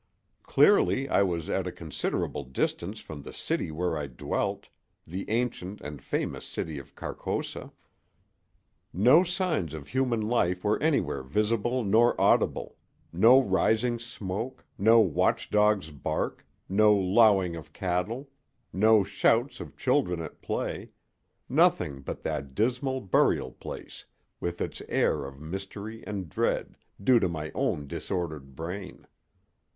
Clearly I was at a considerable distance from the city where I dwelt—the ancient and famous city of Carcosa. No signs of human life were anywhere visible nor audible; no rising smoke, no watch dog's bark, no lowing of cattle, no shouts of children at play—nothing but that dismal burial place, with its air of mystery and dread, due to my own disordered brain.